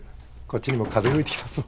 こっちにも風吹いてきたぞ。